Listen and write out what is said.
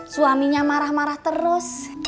suaminya marah marah terus